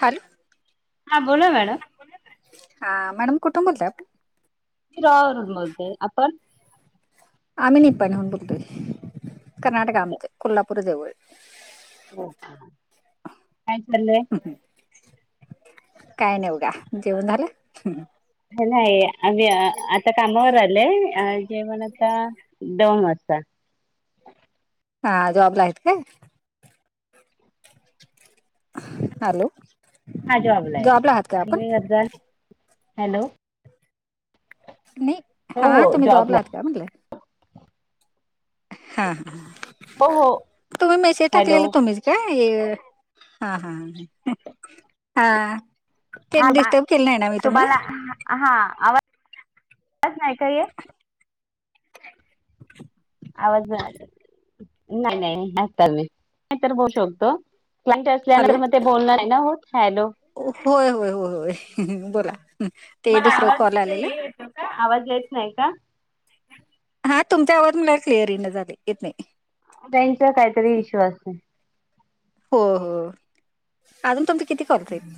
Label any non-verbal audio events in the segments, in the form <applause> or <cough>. Hello हां बोलां madam हां मॅडम कुठूंन बोलंतायं आपणं मी यावरूंन बोलंते आपणं आम्हीं निपांणीहुंन बोलंतोय कर्नाटक कुठे आमचं कोल्हापूर जवळं काय चाललंय, काय नाही बघा जेवन झालं. नाही आम्ही आता कामावर आलेय जेवण आता दोन वाजता. हा जॉब हायत काय. हॅलो! हा जाॅबला आहे जॉबला आहात का आपण तुम्ही काय करता. हॅलो! नाही हो हा हो तुम्ही जॉबला आहात आहे. का म्हटलं? हा ह हो हो तुम्ही मेसेज हॅलो टाकलेलं तुम्हीच. काय हे हा हा हा तेच हा बा डिस्टर्ब केलं नाही मी तुम्हांला? तुम्हाला हा आवाज आवाज नाही का येत. <inaudible> आवाज नाही नाही असता नाही <inaudible> होऊ शकतो क्लाइंट हॅलो असल्यानंतर मग ते बोलणं नाही ना होत. हॅलो! होय होय होय बोला ते तुम्हाला दुसरं आवाज कॉल आलेला. येतो आवाज येत नाही का? हा तुमचा आवाज क्लिअर येईना झालाय येत नाही. ताईंचा काहीतरी विश्वास. हो हो अजून तुमचे किती कॉल्स आहेत.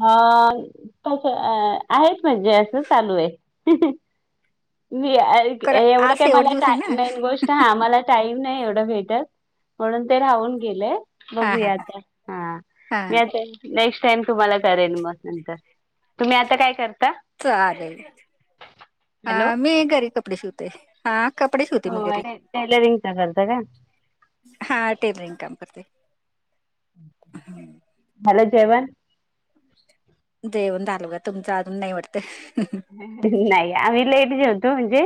अ हे आहेत म्हणजे असं चालू आहे. मी कर एवढं आज काय शेवट मला दिवस आहे ना टाईम नाय गोष्टी. हा मला टाईम नाही एवढं भेटत म्हणून ते राहून गेले. हा हा बघूया आता हा हा नेक्स्ट टाईम. तुम्हाला करेन मग नंतर, तुम्ही आता काय करता. चालेल हा हॅलो मी घरी कपडे शिवते. हा कपडे शिवते मी हो घरी, टेलरिंगचा करता का? हा टेलरिंग काम करते. झालं जेवण. जेवण झालं बघा. तुमचं अजून नाही वाटत. नाही आम्ही लेट जेवतो म्हणजे.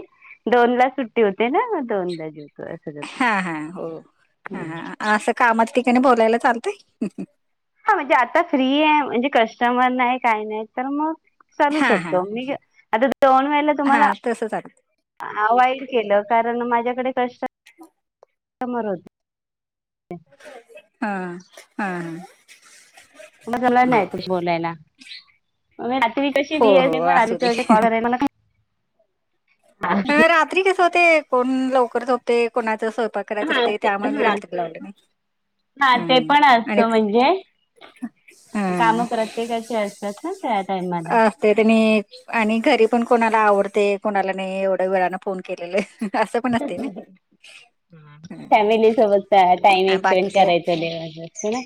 दोन ला सुट्टी होते ना, मग दोनला जेवतो असं करतो. हा हा हो ह हम्म. असं कामाच्या ठिकाणी बोलायला चालतंय. हा म्हणजे आता फ्री आहे, म्हणजे कस्टमर नाही काही नाही तर मग. चालू हा हा शकतो मी आता दोन वेळेला हा तुम्हाला. तसं चालतं हा वाईट केलं कारण माझ्याकडे कस्टमर समोर होते. हा हा हा मग आला नाही तुझ्याशी बोलायला. <inaudible> म रात्री कशी हो हो असू दे <inaudible> हा ह रात्री कस होते कोण लवकर झोपते, कोणाचा स्वयंपाक ते करायच असते त्यामुळे मी हा रात्री ते लावले नाही. हा ते हं. पण असत आणि म्हणजे हं. काम प्रत्येकाची असत. येत नाही या टाईम आला. ते त्यांनी आणि घरी पण कोणाला आवडते कोणाला नाही एवढं वेळाने फोन केलेलं. असं पण असते ना‌, फॅमिली सोबत टाइम बाकी एक्सपेंड काय करायचं देवज ह ना.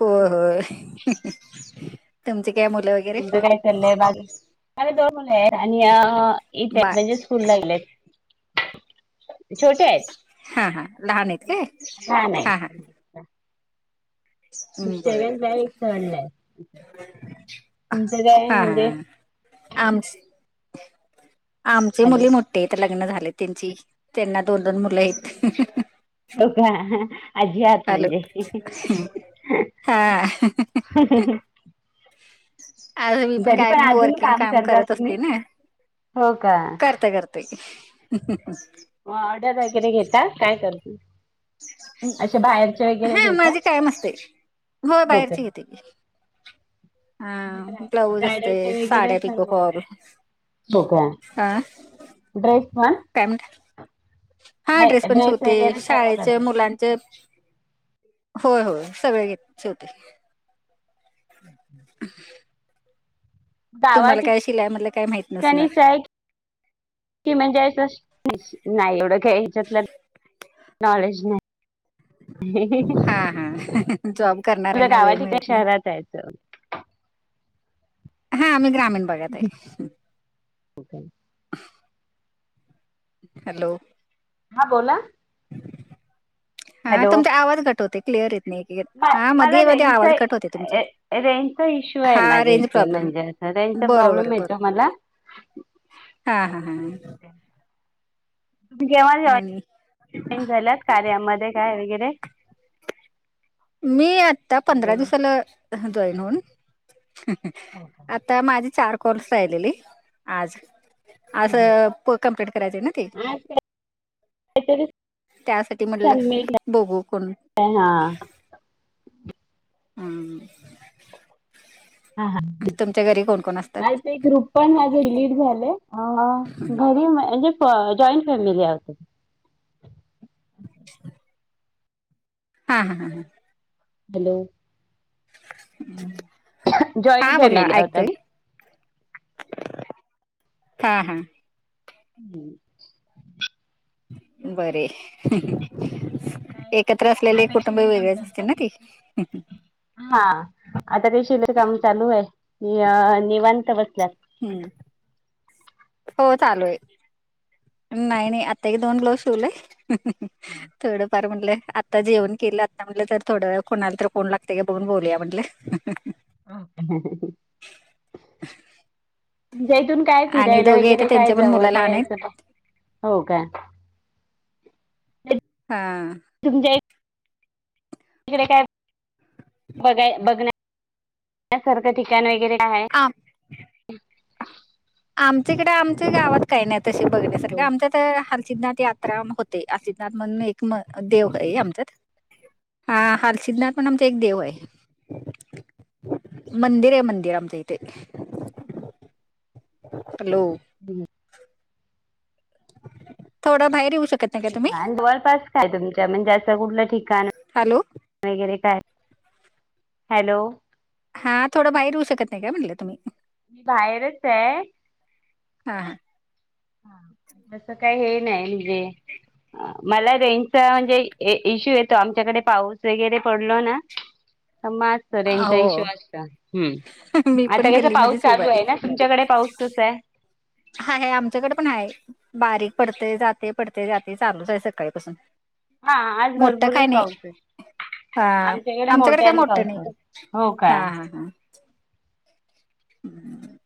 हो होय तुमची काय मुलं वै- तुमचं काय चाललंय बाकी माझी दोन मुलं आहेत आणि अ अ अ येत आहे बा म्हणजे स्कूलला गेलेत छोटे आहेत. हा हा लहान आहेत काय लहान आहे. हा हा. एक सेवेन बर ला आहे एक थर्ड ला आहे तुमचं काय हा म्हणजे? हा आम आमची हॅलो मुली मोठ्या आहेत लग्न झालेत त्यांची त्यांना दोन दोन मुलं आहीत. हो का हा हा आजी आहात. हॅलो म्हणजे. हा हा हा आता मी पण तरी काय पण अजून वर्किंग काम करता करत तुम्ही? असते ना. हो का. करते करते हम्म मग ऑर्डर वगैरे घेता काय करती? अशा बाहेरच्या वगैरे हा घेता माझी हो घे ते. म्हणजे ब्रायडल असते च्या वगैरे साड्या पिको सर्व. फॉल हो का हा ड्रेस पण? काय म्हणता हा ड्रेस नाही, पण शिवते वगैरे सर्व शाळेचे करता मुलांचे. होय होय सगळे घे शिवते. <unintelligible> <unintelligible> गावा तुम्हाला काय शिलाय मधलं काय माहित ठिका नसणार <inaudible> की म्हणजे असं नाही एवढं का ह्याच्यातलं, नॉलेज नाही. <unintelligible> हा हा जॉब तुला करणाऱ्यांना गावा वेळ ठिकाणी मिळत नाही. शहरात जायचं. हा मी ग्रामीण बघा ताई. हो का हॅलो हा बोला. हा तुमचा आवाज कट होतंय क्लिअर येत, नाही एक हा मला मध्ये मध्ये आवाज कट होते तुमचं रेंजचा रेंजचा इश्यू आहे हा माझ्या रेंज इथे प्रॉब्लेम म्हणजे. आता हितं बरोबर प्रॉब्लेम आहे येतो बरोबर मला. हा हा हा जेव्हा आणि जेव्हा <inaudible> झाल्यात कार्यामध्ये काय वगैरे? मी आता पंधरा हॅलो हो दिवसाला जॉईन होऊन, हो का आता माझी चार कोर्स राहिलेली आज. का असं कंप्लीट करायचं आहे ना ते. आज काहीतरी त्यासाठी म्हटलं सबमिट बघू कोण हा हम् हा हा घरी कोण कोण बाई असतात ते ग्रुप पण माझं रिलीट झालं घरी म्हणजे जॉईंट फॅमिली आहे. <unintelligible> हां. हॅलो हा जॉईंट बोला फॅमिली आहोत ऐकतोय. आम्ही हा हा. हम् <inaudible> बर एकत्र असलेले आता कशी कुटुंब नाही काम वेगळेच असते करता ना ते. हा आता ते शिलाई काम चालू आहे निवांत बसल्यात. हम्म <inaudible> हो चालू आहे, नाही -नाही आता एक- दोन ब्लाऊज शिवलोय. थोडंफार म्हटलं आता आता जेवण केलं आता म्हणले तर थोडं व कोणाला तर कोण लागते ग बघून बोलूया म्हणटल. ह <inaudible> म्हणजे इथून काय आणि फिरायला दोघे आहेत वगैरे काय त्यांच्या पण मुलं लहान जवलय आहेत असं हो का हां तुमच्या तिकडे काय बघाय बघण्याण्यासारखं ठिकाण वगैरे का आहे. हां <unintelligible> आमच्याकडे आमच्या गावात काही नाही तशे बघण्यासारखे हो आमच्यात तर हारसिदनाथ यात्रा होते, हारसिदनाथ म्हणून एक देव आहे आमच्यात हा हारसिदनाथ पण आमचा एक देव आहे. मंदिर आहे मंदिर आमच्या इथे हॅलो बिल <unintelligible> थोड बाहेर येऊ शकत नाही का तुम्ही आणि जवळपास काय तुमच्या म्हणजे असं कुठलं ठिकाण हॅलो वगैरे काय हॅलो हा थोडं बाहेर येऊ शकत नाही काय? म्हटलं तुम्ही मी बाहेरच आहे. हां. हां. तसं काही हे नाही म्हणजे मला रेंजचा म्हणजे इश्यू येतो. आमच्याकडे पाऊस वगैरे पडलो ना म <unintelligible> हा रेंजचा इशू हो असता ह्, मी पण आता कसं पाऊस गल्लीमध्येच उभा चालू आहे ना तुमच्याकडे पाऊस कसा आहे? हा आहे आमच्याकडे पण आहे बारीक पडते जाते पडते जाते चालूच आहे सकाळीपासून. हा आज मोठं काय भरपूरच नाही पाऊस आहे. हा आमच्याकडे काय मोठ्यानी मोठं पाऊस नाही आहे, हो काय? हम्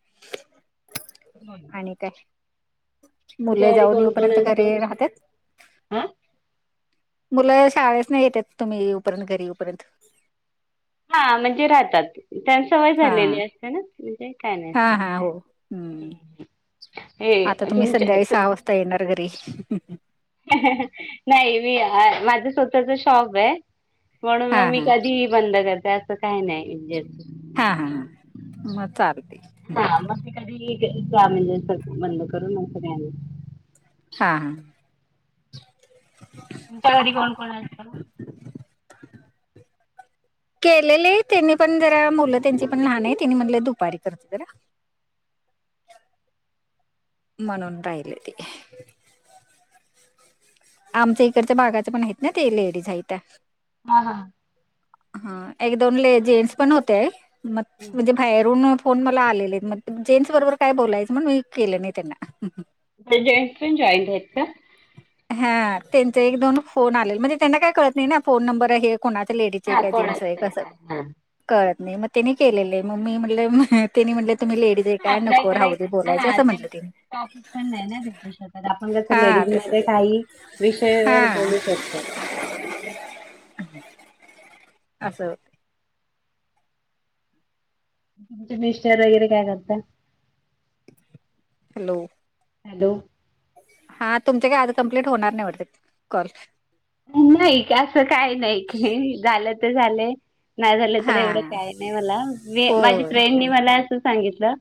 <unintelligible> बोला आणि काय? तुमच्या मुलं घरी जाऊन कोण- कोण येऊपर्यंत घरी असतो? राहतात मुलं शाळेसन येतात तुम्ही येऊपर्यंत घरीपर्यंत हा म्हणजे राहतात त्यांना सवय हा झालेली असते ना म्हणजे काय नाही. हा असते. हा हो हम्म. आता हे तुम्ही संध्याकाळी तुमच्या सहा वाजता येणार घरी. नाही मी माझ स्वतःच शॉप आहे. म्हणून हा मग मी हा कधी बंद करते असं काही नाही म्हजे, हा हा ह मग चालतय. कधीही म्हणजे स बंद करून अस काय नाही. हा हा तुमच्या घरी कोण कोण असतं? केलेले त्यांनी पण जरा मुलं त्यांची पण लहान आहे. त्यांनी म्हणले दुपारी करते जरा, म्हणून राहिले ते. आमच्या इकडच्या बागाचे पण आहेत ना ते लेडीज आहे त्या हा हा हा एक दोन ले जेंट्स पण होते मग म्हणजे बाहेरून फोन मला आलेले मग जेंट्स बरोबर काय बोलायचं मग मी केलं नाही त्यांना, जेन्टस पण जॉईन आहेत का? हा त्यांच एक दोन फोन आलेल म्हणजे त्यांना काय कळत नाही ना फोन नंबर हे कोणाच लेडीजच हे हा का कोण जेन्स आहे असतंय असं. काय हा. कळत नाही मग त्यानी केलेले मग मी म्हट तेनी म्हटले तुम्ही लेडीज आहे ह काय आपल्या नको इकडे राहू दे बोलायचे असं ते म्हटलं तिने टॉपिक पण नाही ना भेटू शकत आपण जसं हा लेडीज तस मध्ये काही हा विषयवर बोलू शकतो. असं तुमचे मिस्टर वगैरे काय करता? हॅलो हॅलो हा तुमचे काय आज कंमप्लीट होणार नाही वाटत कॉल. नाही असं काही नाही झालं तर झालंय नाही झालं तर हा एवढं काय नाही मला मी होय माझी होय फ्रेंडन हा मला असं सांगितलं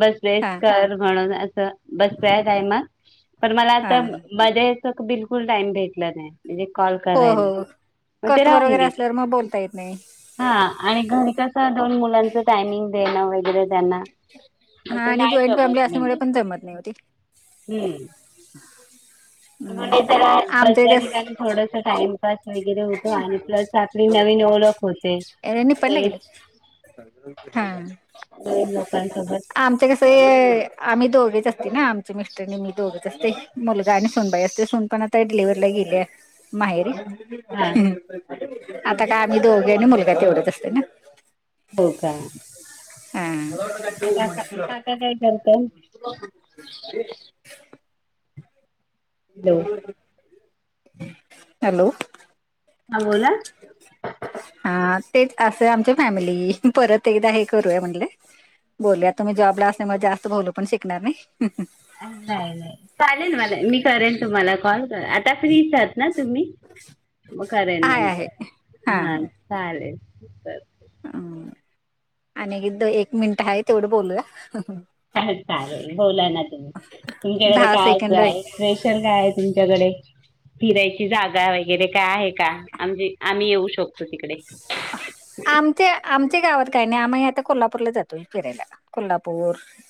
बसलेस हा कर म्हणून असं बसत टायम पण मला अस हा मध्ये बिलकुल टाईम भेटल नाही. म्हणजे कॉल हो हो करायला मग ते कस्टमर राहून वगैरे गेले. असल्यावर मग बोलता येत नाही हा आणि घरी कसं दोन मुलांच टायमिंग देणं वगैरे त्यांना मग हा ते आणि नाही जॉईंट जमत फॅमिली असल्यामुळे नाहीये, पण जमत नाही होती हम्म <unintelligible> <unintelligible> आमचे कस थोडस टाईमपास वैगेरे होतो आणि प्लस आपली नवीन ओळख होते. नवीन <unintelligible> हा. काही लोकांसोबत आमच कस आम्ही दोघच असतो ना आमचे मिस्टर आणि मी दोघच असतोय. मुलगा आणि सोनबाई असते सून पण आता डिलिव्हरी गेल्या माहेरी. हा आता काय आम्ही दोघे आणि मुलगा तेवढत असतोय ना. हो का मग काका काका काय करता? हा हॅलो हॅलो हां बोला हा तेच असं आमच्या फॅमिली परत एकदा हे करूय म्हणल बोलूया तूम्ही जॉबला असल्यामुळं जास्त बोलू पण शकणार नाही. नाही नाही. चालेल मला मी करेन तुम्हाला कॉल आता फ्रीच आहात ना तुम्ही. मग करेल आहे आहे नंतर. हा चालेल. हम. आणि इथ एक मिनिट आहे तेवढं बोलूया. चालेल चालेल. बोला ना तुम्ही. तुमच्या कड दहा काय विषय सेकंड आहे. स्पेशल काय आहे तुमच्याकडे? फिरायची जागा. वगैरे काय आहे का. म्हणजे आम्ही येऊ शकतो तिकडे? आमच्या आमच्या गावात काही नाही. आम्ही आता कोल्हापूरला जातोय फिरायला. कोल्हापूर,